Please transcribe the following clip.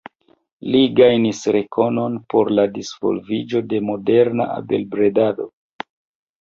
Li gajnis rekonon por la disvolviĝo de moderna abelbredado.